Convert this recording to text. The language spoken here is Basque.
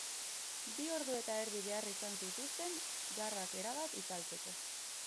Bi ordu eta erdi behar izan zituzten garrak erabat itzaltzeko.